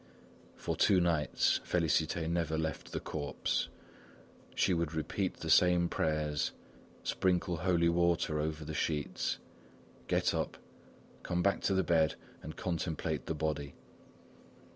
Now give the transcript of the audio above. For two nights, Félicité never left the corpse. She would repeat the same prayers, sprinkle holy water over the sheets, get up, come back to the bed and contemplate the body.